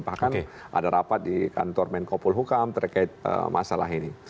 bahkan ada rapat di kantor menko polhukam terkait masalah ini